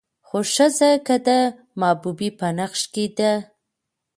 خو ښځه که د محبوبې په نقش کې ده